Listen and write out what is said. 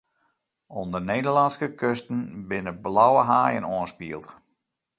Oan 'e Nederlânske kusten binne blauwe haaien oanspield.